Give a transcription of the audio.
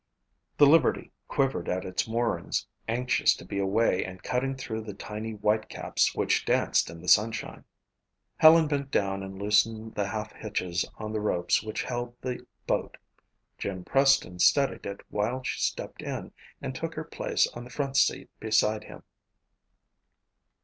The Liberty quivered at its moorings, anxious to be away and cutting through the tiny whitecaps which danced in the sunshine. Helen bent down and loosened the half hitches on the ropes which held the boat. Jim Preston steadied it while she stepped in and took her place on the front seat beside him.